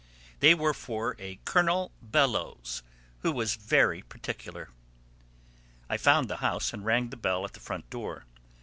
They were for a Colonel Bellowes who was very particular. I found the house and rang the bell at the front door.